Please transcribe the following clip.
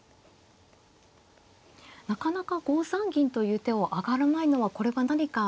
なかなか５三銀という手を上がらないのはこれは何か？